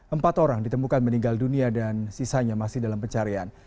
empat orang ditemukan meninggal dunia dan sisanya masih dalam pencarian